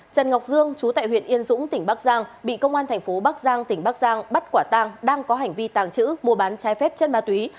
trần ngọc dương chú tại huyện yên dũng tỉnh bắc giang bị công an thành phố bắc giang tỉnh bắc giang bắt quả tang đang có hành vi tàng trữ mua bán trái phép chất ma túy